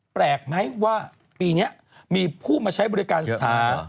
แปลกไหมว่าปีนี้มีผู้มาใช้บริการสถาน